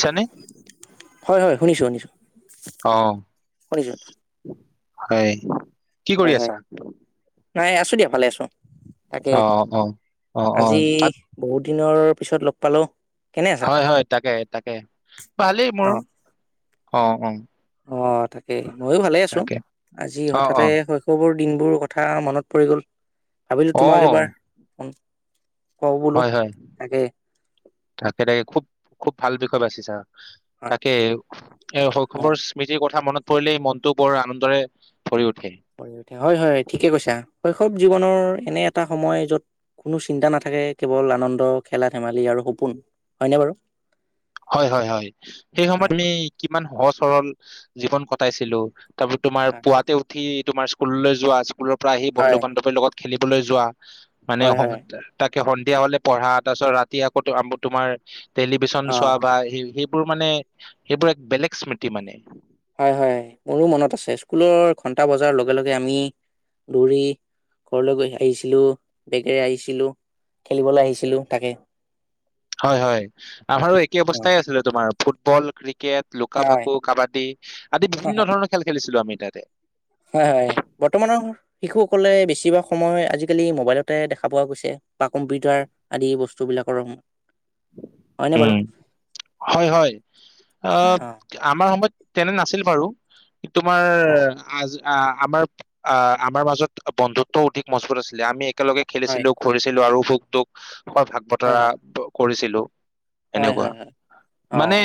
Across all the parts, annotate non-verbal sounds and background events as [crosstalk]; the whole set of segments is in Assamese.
চনে, শুনিছো শুনিছো। অহ। হয়। কি কৰি হয়, হয়, আছা? নাই আছো দিয়া ভালে আছো। অ অ অ অ আজি তাত, বহুত দিনৰ পিছত লগ পালো। হয় হয় তাকে তাকে ভালেই মোৰ। অ অ অঁ তাকেই। ময়ো ভালে আছো তাকে আজি অ', হঠাতে অ', শৈশৱোৰ, দিনবোৰ কথা মনত পৰি গ'ল। ভাবিলো তোমাক অ', এবাৰ, কওঁ বোলো, হয় হয়। তাকে তাকে তাকে খুব খুব ভাল বিষয়ে বাচিছা। হয়, তাকে এ হয়। শৈশৱৰ স্মৃতিৰ কথা মনত। পৰিলে মনতটো বৰ আনন্দৰে ভৰি উঠ ভৰি উঠে, হয় হয় ঠিকে কৈছা। শৈশৱ জীৱনৰ এনে এটা সময় যত কোনো চিন্তা নাথাকে কেৱল আনন্দ খেলা ধেমালি আৰু সপোন হয়নে বাৰু হয় হয় হয় সেই হয়, সময়তমি কিমান সহজ সৰল জীৱন কটাইছিলো তাৰপি তোমাৰ হয়, পুৱাতে উঠি। তোমাৰ স্কুললৈ যোৱা। স্কুলৰ পৰা আহ বন্ধু হয়, বান্ধৱীৰ লগত খেলিবলৈ যোৱা মানে হয়, হয়, তাক সন্ধিয়া হলে পঢ়া তাৰ পিছত ৰাতি আকৌ তোমাৰ অ'। চোৱা বা [unintelligible] এইবোৰ মানে সেইবোৰ এক বেলেগ স্মৃতি মানে হয় হয় মোৰো মনত আছে স্কুলৰ ঘন্টা বজাৰ লগে লগে আমি দৌৰি ঘৰলৈ গৈ আহিছিলো বেগেৰে আহিছিলোঁ খেলিবলৈ আহিছিলোঁ তাকে হয় হয় আমাৰো একে অৱস্থাই আছিলে তোমাৰ ফুটবল ক্ৰিকেট ক্ৰিকেট লুকা হয় ভাকু কাবাাদডী আদি বিভিন্ন ধৰণৰ খেল খেলিছিলো আমি যাতে হয় হয় বৰ্তমানৰ শিশুসকলে বেছিভাগ সময় আজিকালি মোবাইলতে দেখা পোৱা গৈছে বা কম্পিউটাৰ আদি বস্তুবিলাকৰ সম হয় হয় আহ হয় অ আমাৰ সময়ত তেনে নাছিল বাৰু অ তোমাৰ আজ অ আমাৰ অ আমাৰ মাজত বন্ধুত্ব অধিক মজবুত আছিলে আমি একেলগে হয় খেলিছিলো ঘূৰিছিলো আৰু বু দু হয় ভাগ বতৰা কৰিছিলো। হয় এনেকুৱা হয় হয় অ মানে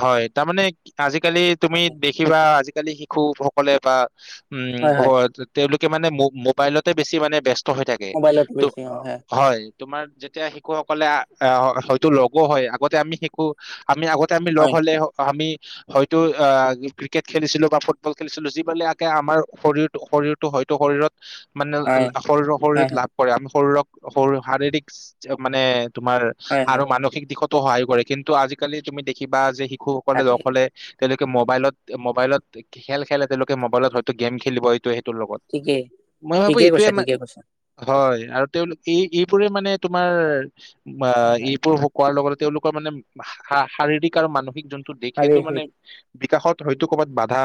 হয় তাৰমানে আজি। আজিকালি তুমি তাকে দেখিবা আজ আজিকালি শিশুসকলে বা উম হয় তেওঁ কে মানে মোবাইলতে বেছি ব্যস ত হৈ থাকে মোবাইলত ত বেছি অ হয় তোমাৰ যেতিয়া শিশুসকলে, আহ হয়তো লগো হয় আগতে আমি শিকো। আমি আগতে আমি লগ হয় হলে আমি, হয়তো আহ ক্ৰিকেট খেলিছিলো বা ফুটবল খেলিছিলো যিবিলাক আকে আমাৰ শৰীৰ শৰীৰটো হয়তো শৰীৰত। মানে হয় শৰীৰৰ হয় শৰীৰত হয় লাভ কৰে আমি শৰীৰক, শাৰীৰিক মানে। তোমাৰ হয় হয় আৰু মানসিক দিশত। সহায় কৰে কিন্তু আজিকালি তুমি দেখিবা যে, শিশুসকলে তাকে অকলে, তেওঁলোকে মোবাইলত মোবাইলত খেল খেলে তেওঁলোকে মোবাইলত হয়তো গেম খেলিব এইটো। লগত ঠিকেই মই ভাবো ঠিকেই এইটোৱে কৈছা মান ঠিকে কৈছা হয়, আৰু তেওঁলোক এই এইবোৰে মানে তোমাৰ। অঁ, হয় হয় এইবোৰ কোৱাৰ লগত। তেওঁলোকৰ মানে শাৰীৰিক আৰু মানসিক যোন। দেখেটো শাৰীৰিক মানে। বিকাশত হয়তো কৰ'বাত বাধা,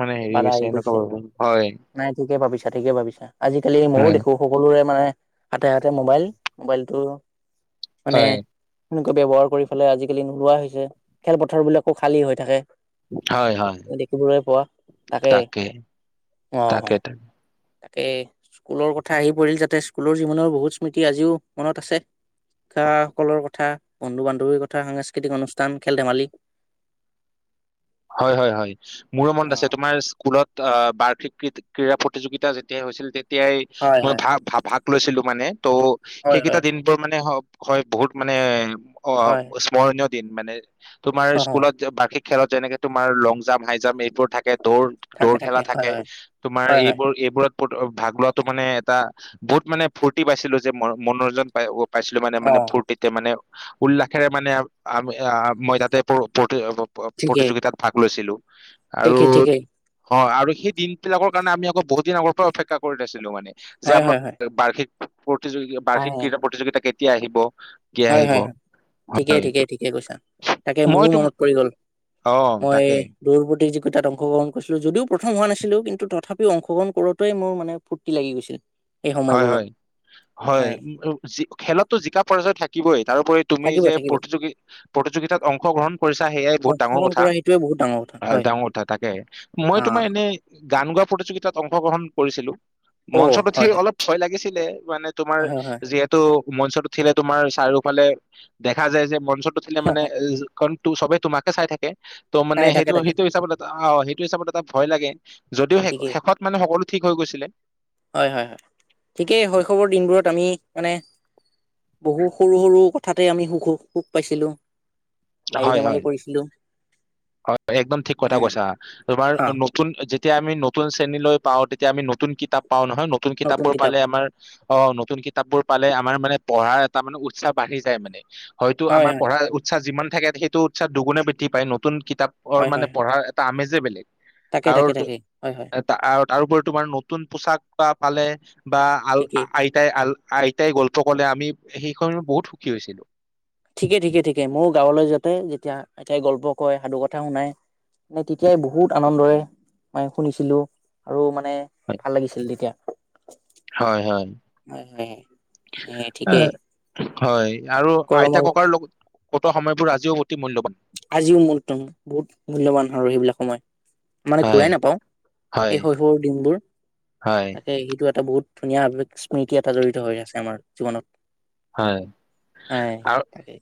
মানে হেৰি বাধা হৈছে আহি এনেকুৱা গৈছে ভাবো হয়। নাই ঠিকে ভাবিছা ঠিকে ভাবিছা আজিকালি মইো হয় দেখো সকলোৰে মানে। হাতে হাতে মোবাইল মোবাইলটো। মানে। হয় সেনেকুৱা ব্যৱহাৰ কৰি ফেলাই আজিকালি নোলোৱা হৈছে খেলপথাৰ বিলাকো খালী হৈ থাকে। হয় হয় দেখিবলৈ পোৱা তাকে, অ তাকেই তা, তাকে স্কুলৰ কথা আহি পৰিল যাতে স্কুলৰ জীৱনৰ বহুত স্মৃতি আজিও মনত আছে শিক্ষাসকলৰ কথা বন্ধু বান্ধৱীৰ কথা সাংস্কৃতিক অনুষ্ঠান খেল ধেমালি। হয় হয় হয় মোৰো মনত অ আছে তোমাৰ স্কুলত অঁ। বাৰ্ষিক ক্ৰীড়া প্ৰতিযোগিতা যেতিয়া হৈছিল তে, তিয়াই হয় মই হয় ভাগ ভা ভাগ লৈছিলো মানে। ত' হয় হয় সেইকেইটা দিনবোৰ মানেহওক। হয় বহুত মানে। অ হয় ঈশ্মৰণিয়ত। দিন মানে, তোমাৰ অ স্কুলত বাৰ্ষিক, খেলতে। তোমাৰ লং জাম্প, হাই জাম্প এইবোৰ থাকে। থাকে দৌৰ থাকে দৌৰ খেলা হয় থাকে হয় তোমাৰ হয় হয় এইবোৰ এইবোৰত। ভাগ লোৱাটো মানে এটা বহুত মানে ফূৰ্তি পাইছিলো যে ম মনোৰঞ্জন পাই। পাইছিলো মানে অ মানে ফুৰ্তিতে মানে উল্লাসেৰে মানে [unintelligible] ঠিকেই প্ৰতিযোগিতাত। লৈছিলো। আৰু ঠিকেই ঠিকেই অ আৰু সেই দিন বিলাকৰ কাৰণে আমি আকৌ বহু দিন আগৰ পৰা অপেক্ষা কৰি আছিলো মানে। যে হয় হয় আমাৰ হয় বাৰ্ষিক প্ৰতিযোগী বাৰ্ষিক আহে ক্ৰীড়া প্ৰতিযোগিতাকেই তিয়া আহিব। কেতিয়া হয় আহিব হয় হয়, ঠিকেই হয় ঠিকেই তো- ঠিকেই কৈছা, তাকে মই মোৰো তোম মনত পৰি গল অ হয়, তাকে দৌৰ প্ৰতিযোগি তাত অংশগ্ৰহণ কৰিছিলো, যদিও প্ৰথম হোৱা নাছিলো কিন্তু তথাপিও অংশগ্ৰহণ কৰোতেই মোৰ মানে ফুৰ্তি লাগি গৈছিল। সেই হয় সময়বোৰৰ হয় হয়, খেলত টো জিকা পৰাজয় থাকে কিবয়ে। তাৰোপৰি তুমি থাকিব যে থাকিব প্ৰতিযোগি প্ৰতিযোগিতাত অংশগ্ৰহণ কৰিছা সেইয়াই বহুত ডাঙৰ অংশগ্ৰহণ কথা, কৰা সেইটোৱে বহুত ডাঙৰ কথা হয় ডাঙৰ কথা। তাকে মই অ তোমাৰ এনেই গান গোৱা প্ৰতিযোগিতাত অংশগ্ৰহণ কৰিছিলো। অ মঞ্চটো থিয় হয় অলপ ভয় লাগিছিলে। মানে তোমাৰ হয় হয় হয় যিহেতু মঞ্চত উঠিলে তোমাৰ চাৰিওফালে দেখা যায় যে মঞ্চত উঠিলে মানে [unintelligible] তো চবে তোমাকে চাই থাকে ত' মানে নাই তাকে সেইটো তাকে সেইটো হিচাপত এটা অ সেইটো হিচাপত এটা ভয় লাগে, যদিও শে ঠিকেই শেষত মানে সকলো ঠিক হৈ গৈছিলে। হয় হয় হয়। ঠিকেই শৈশৱৰ দিনবোৰত আমি মানে বহু সৰু সৰু কথাতে আমি সুখ সুখ পাইছিলো। হাঁহি হয় ধেমালি হয় কৰিছিলো। হয়, একদম ঠিক কথা উম কৈছা ।তোমাৰ হা নতুন যেতিয়া আমি নতুন শ্ৰেণীলৈ পাওঁ তেতি তিয়া আমি নতুন কিতাপ পাও নহয় নতুন কিতাপ বোৰ পালে আমাৰ অ নতুন কিতাপ বোৰ পালে আমাৰ মানে পঢ়াৰ এটা মানে উৎসাহ বাঢ়ি যায় মানে হয়তো হয় আমাৰ হয় পঢ়াৰ উৎসাহ যিমান থাকে সেইটো উৎসাব দুগুনে বৃদ্ধি পায়। নতুন কিতাপৰ হয় মানে হয় পঢ়াৰ এটা আমেজ যে বেলেগ তাকে তাকে আৰু তাকে হয় হয় এ তাৰোপৰি তোমাৰ নতুন পোচাক পা পালে বা আল ঠিকেই আইতাই আল আইতাই গল্প ক'লে আমি সেইসময়ত বহুত সুখী হৈছিলো ঠিকে ঠিকে ঠিকে মোৰ গাঁৱলৈ যাতে যেতিয়া আইতাই গল্প কয় সাধু কথা শুনাই মই তেতিয়াই বহুত আনন্দৰে মই শুনিছিলো আৰু মই মানে ভাল লাগিছিল তেতিয়া হয় হয় হয় হয় এ হয় আৰু আইতা গৰমৰ ককাৰ লগত কটোৱা সময়বোৰ আজিও অতি মূল্যবান আজিও মোৰত বহুত মূল্যবান আৰু সেইবিলাক সময় মানে হয় ঘূৰাই নাপাও হয় এই শৈশৱৰ দিনবোৰ হয় তাকে সেইটো এটা বহুত ধুনীয়া স্মৃতি এটা জড়িত হৈ আছে আমাৰ জীৱনত হয় হয় আৰু তাকে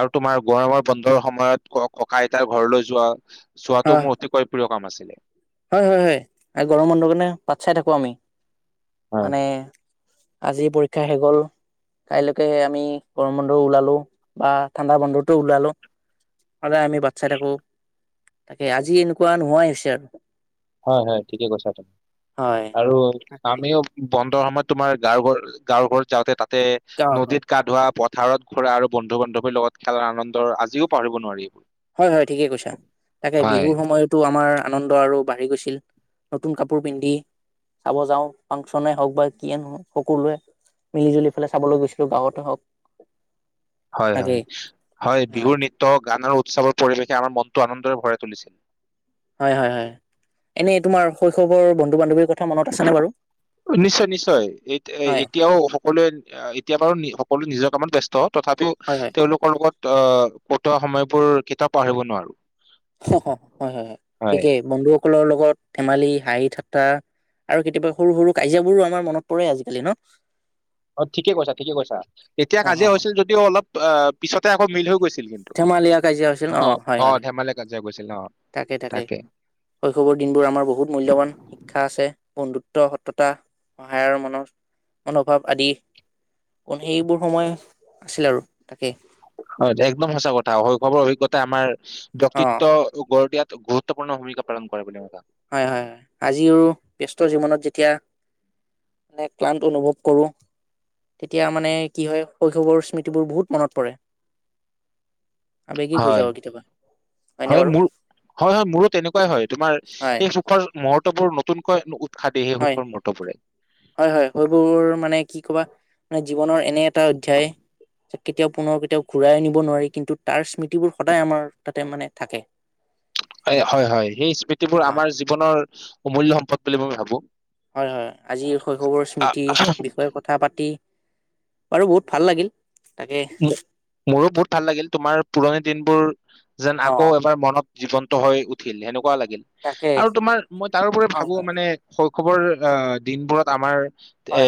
আৰু তোমাৰ গৰমৰ বন্ধৰ সময়ত ককা আইতাৰ ঘৰলৈ যোৱা চোৱাটো হয় মোৰ অতিকৈ প্ৰিয় কাম আছিলে হয় হয় হয় গৰম বন্ধ কাৰণে বাত চাই থাকো আমি হয় মানে আজি পৰীক্ষা হৈ গল, কাইলৈকে আমি গৰম বন্ধ ওলালো বা ঠাণ্ডা বন্ধতো ওলালো, সদায় আমি বাট চাই থাকো তাকে আজি এনেকুৱা নোহোৱাই হৈছে আৰু হয় হয় ঠিকে কৈছা ত হয় আৰু তাকে আমিও বন্ধৰ সময় তোমাৰ গাৱৰ ঘৰ গাঁৱৰ ঘৰত যাওঁতে তা তে‌ গাঁৱৰ ঘৰত নদীত গা ধোৱা প থাৰত ফুৰা আৰু বন্ধু বান্ধৱীৰ লগত খেলাৰ আনন্দ আজিও পাহৰিব নোৱাৰি হয় হয় ঠিকে কৈছা তাকে হয় বিহুৰ সময়তো আমাৰ আনন্দ আৰু বাঢ়ি গৈছিল, নতুন কাপোৰ পিন্ধি চাব যাওঁ ফাংচনে হওক বা কিয়ে নহওক সকলোৱে মিলি জুলি ফালে চাবলৈ গৈছিলো গাঁৱতে হওক হয় হয় তাকেই হয় অ বিহুৰ নৃত্য গান উৎসৱত পৰিৱেশে আমাৰ মনটো আনন্দৰে ভৰাই তুলিছিল হয় হয় হয় এনেই তোমাৰ শৈশৱৰ বন্ধু বান্ধৱী নিশ্চয় নিশ্চয় এ হয় এতিয়াও সকলোৱে এতিয়া বাৰু সকলোৱে নিজক কামত ব্যস্ত তথাপিও হয় হয় তেওঁলোকৰ লগত অ বন্ধু ত সময়বোৰ কেতিয়াও পাহৰিব নোৱাৰো। হয়-হয়-হয়, হয় ঠিকেই বন্ধু। সকলৰ লগত ধেমালি, হাঁহি, ঠাট্টা আৰু কেতিয়াবা সৰু-সৰু কাজিয়াবোৰো আমাৰ মনত পৰে আজিকালি ন? অ, ঠিকে- কৈছা, ঠিকে- কৈছা, তেতিয়া অ অ কাজিয়া হৈছিল যদিও অলপ অ, পিছতে আকৌ মিল হৈ গৈছে। ধেমালিয়া কাজিয়া হৈছিল, অ হয়-হয়, ধেমালি কাজিয়া গৈছিল অ তাকে- তাকে, শৈশৱৰ দিনবোৰ আমাৰ বহুত মূল্যবান শিক্ষা আছে বন্ধুত্ব। স সততা, সহায়ৰ মনৰ মনোভাৱ আদি অকল সেইবোৰ সময় আছিল আৰু তাকেই হয়, একদম সঁচা কথা শৈশৱৰ অভিজ্ঞতা আমাৰ অ ব্যক্তিত্ব গঢ় দিয়াত গুৰুত্বপূৰ্ণ ভূমিকা পালন কৰে বুলি ম‌ই ভাৱো। হয়-হয়, আজিও, ব্যস্ত জীৱনত যেতিয়া মানে ক্লান্ত অনুভৱ কৰোঁ, তেতিয়া মানে কি হয় শৈশৱৰ স্মৃতিবোৰ বহুত মনত পৰে। আবেগিক হৈ যাওঁ কেতিয়াবা হয়নে হয়-হয়, বাৰু মোৰ হয়-হয়, মোৰো তেনেকুৱাই হয়, তোমাৰ হয় এই সুখৰ মুহূৰ্ত উৎসৱবোৰ নতুনকৈ উৎসাহ দিয়ে সেই সুখৰ মুহূৰ্তবোৰে হয়-হয়-হয়, সেইবোৰ মানে কি কবা, মানে জীৱনৰ এনে এটা অধ্যায় কেতিয়াও, পুনৰ কেতিয়াও ঘূৰাই আনিব নোৱাৰি। কিন্তু তাৰ স্মৃতি বোৰ সদায় আমাৰ তাতে মানে থাকে। এই হয়-হয়, সেই স্মৃতিবোৰ আমাৰ জীৱনৰ অমূল্য সম্পদ বুলি মই ভাবো। হয়-হয়, আজিৰ শৈশৱৰ আহ স্মৃতি বিষয়ে কথা পাতি বাৰু বহুত ভাল লাগিল। তাকে মইয়ো বহুত ভাল লাগিল। তোমাৰ পুৰণি দিনবোৰ যেন অ আকৌ এবাৰ মনত জীৱন্ত হৈ উঠিল সেনেকুৱা লাগিল। তাকে আৰু তোমাৰ মই তাৰোপৰি হয় ভাবো হয় মানে শৈ খবৰ দিনবোৰত আমাৰ এ হয়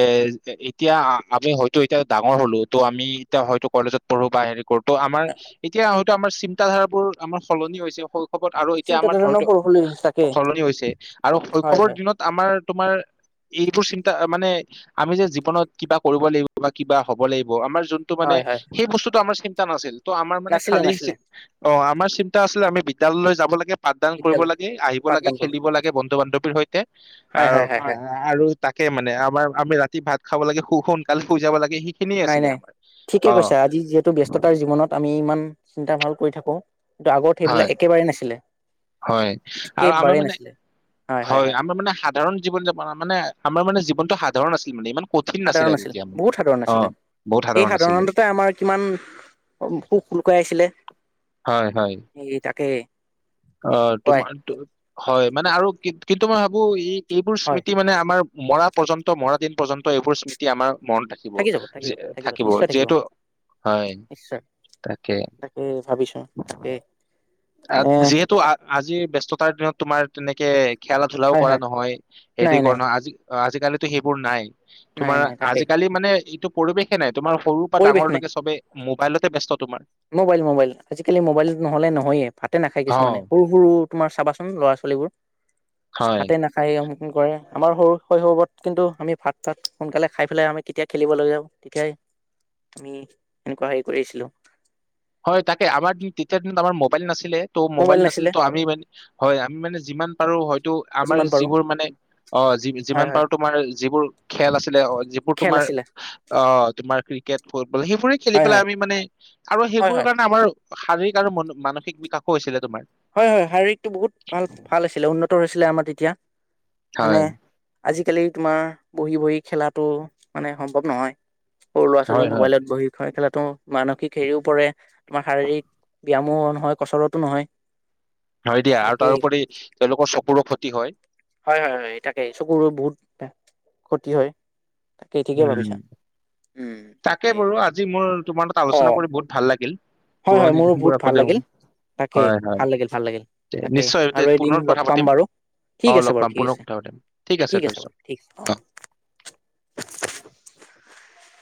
এতিয়া আমি হয়তো, এতিয়া ডাঙৰ হ'লো, তো আমি এতিয়া হয়তো কলেজত পঢ়ো বা হেৰি কৰো তো আমাৰ এতিয়া হয়তো আমাৰ চিন্তা ধাৰাবোৰ আমাৰ সলনি হৈছে। শৈশৱত আৰু এতিয়া চিন্তা আমাৰ ধৰণৰ ধৰটো সৰু সৰু তাকে সলনি হৈছে আৰু হয় শৈশৱৰ হয় দিনত আমাৰ তোমাৰ, এইবোৰ চিন্তা মানে আমি যে জীৱনত কিবা কৰিব লাগিব বা কিবা হ'ব লাগিব আমাৰ ত'মানে, হয় হয় সেই বস্তুটো আমাৰ চিন্তা কি কাম আছিল? ত আমাৰ মানে নাছিলে খালী নাছিলে চিত অ আমাৰ চিন্তা আছিল আমি বিদ্যালয়লৈ যাব লাগে। পাঠদান কৰিব বিদ্যালয়ত লাগে আহিব লাগে পাঠদান কৰিব খেলিব লাগে বন্ধু বান্ধৱ হেতুৰ হৈ তাকে হয় হয় হয় হয় আৰু তাক কি মানে আমাৰ আমি ৰাতি ভাত খাব লাগে, শু সোনকালে শুই যাব লাগে। সেইখিনিয়ে আছিলে আমাৰ। ঠিক অ কৈছে আজি যিহেতু ব্যস্ততাৰ জীৱনত আমি। ইমান চিন্তা ভাব কৰি থাকো। কিন্তু আগত সেইবিলাক হয়, একেবাৰেই নাছিলে। হয় আৰু আমাৰ একেবাৰেই মানে নাছিলে হয় আমাৰ মানে, সাধাৰণ জীৱন যাপন মানে আমাৰ মানে জীৱন। সাধাৰণ আছিল মানে ইমান। কঠিন নাছিলে সাধাৰণ আছিল, তেতিয়া মানে। বহুত সাধাৰণ অ'। আছিলে বহুত এই সাধাৰণ আছিলে সাধাৰণতে আমাৰ কিমান সুখ লুকুৱাই আছিলে। হয় হয় সেই তাকে। অ হয় তোমাৰ তো। হয় মানে আৰু কি কিন্তু মই ভাবো ই । এইবোৰ হয় স্মৃতি মানে আমাৰ । মৰা পৰ্যন্ত মৰা দিন পৰ্যন্ত এইবোৰ স্মৃতি আমাৰ। মন থাকিব থাকি যাব থাকি যাব থাকিব নিশ্চয় যিহেতু হয়, তাকে। উম তাকে মানে যিহেতু আজি ব্যস্ততাৰ দিনত তোমাৰ তেনেকে খেলা ধূলাও হয় কৰা হয় নহয় নাই হেৰি নাই কৰা নহয় আজি অ আজিকালিতো সেইবোৰ নাই। নাই তোমাৰ নাই তাকেই আজিকালি মানে এইটো পৰিৱেশে নাই। তোমাৰ সৰুৰ পৰা পৰিৱেশ নাই ডাঙৰলৈকে চবে মোবাইলতে ব্যস্ত তোমাৰ। মোবাইল মোবাইল আজিকালি মোবাইল নহ'লে নহয়ে ভাতে নাখায় অ কিছুমানে সৰু সৰু তোমাৰ চাবাচোন ল'ৰা- পোৱালিবোৰ হয় ভাতে নাখায় অ কৰে আমাৰ সৰু শৈশৱত কিন্তু আমি ভাত চাত সোনকালে খাই পেলাই আমি কেতিয়া খেলিবলৈ যা তেতিয়াই আমি এনেকুৱা সেই কৰিছিলোঁ। হয় তাকে আমাৰ তেতিয়াৰ দিনত আমাৰ মোবাইল নাছিল। ত' মোবাইল নাছিলে ত' আমি মানে হয় আমি মানে যিমান পাৰো হয়তো আমাৰ যিমান পাৰো যিবোৰ মানে অ হয় যিমান হয় পাৰো তোমাৰ যিবোৰ খেল আছিলে যিবোৰ খেল তোমাৰ আছিলে অ তোমাৰ ক্ৰিকেট বোলে সেইবোৰে খেলি হয় পেলাই হয় আমি মানে আৰু সেই হয় হয় বোৰকাৰণে আমাৰো শাৰীৰিক আৰু মন- মানসিক বিকাশো হৈছিলে। তোমাৰ হয় - হয় । শাৰীৰিকটো বহুত ভাল-ভাল আছিলে, উন্নত হৈছিলে আমাৰ তেতিয়া। মানে হয় আজি কালি তোমাৰ বহি-বহি খেলাটো মানে সম্ভৱ নহয়। সৰু লৰা-ছোৱালী হয় হয় মোবাইলত বহি খ- খেলত তো মানসিক হেৰিও পৰে। তোমাৰ শাৰীৰিক ব্যাম মও নহয়, কছৰতো নহয়। হয় দিয়া । আৰু তাকেই তাৰোপৰি তেওঁলোকৰ চকুৰো ক্ষতি হয় । হয় - হয় - হয়, তাকে । চকুৰো বহুত ক্ষতি হয়। তাকেই ঠিকে উম। ভাবিছা তাকে বাৰু আজি মোৰ তোমাৰ ত অ আলোচনা কৰি বহুত ভাল লাগিল। হয় - হয়, পুৰণি মোৰো দিনবোৰ বহুত আকৌ ভাল তেওঁ লাগিল । তাকে, হয় হয় ভাল লাগিল - ভাল লাগিল । তে- তাকে নিশ্চয় । আৰু তে- এদিন পুনৰ লগ কথা পাম পাতিম বাৰু । ঠিক অ আছে লগ বাৰু পাম । ঠিক পুনৰ আছে কথা পাতিম । ঠিক আছে থৈছো বাৰু । ঠিক, অ অ'।